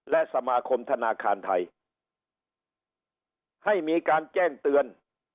และสมาคมธนาคารไทยให้มีการแจ้งเตือน